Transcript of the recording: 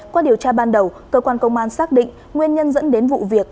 qua điều tra ban đầu cơ quan công an xác định nguyên nhân dẫn đến vụ việc